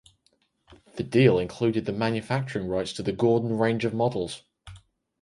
The deal included the manufacturing rights to the Gordon range of models.